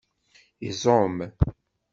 Iẓum